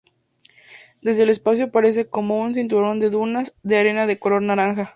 Desde el espacio aparece como un cinturón de dunas de arena de color naranja.